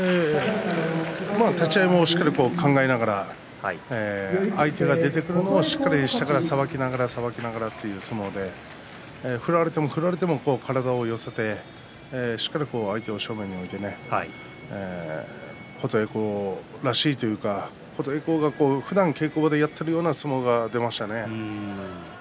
立ち合いもしっかり考えながら相手が出てくるのをしっかり下からさばきながらさばきながらという相撲で振られても振られても体を寄せてしっかり相手を正面に置いて琴恵光らしいというか琴恵光がふだん稽古場でやっているような相撲が出ましたね。